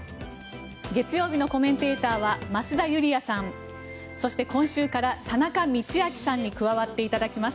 月曜日のコメンテーターは増田ユリヤさんそして今週から田中道昭さんに加わっていただきます。